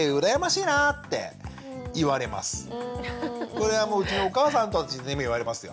これはうちのお母さんたちにも言われますよ。